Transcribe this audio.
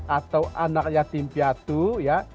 atau anak yatim piatu ya